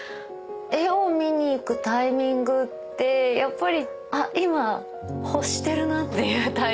絵を見に行くタイミングってやっぱりあっ今欲してるなっていうタイミングが。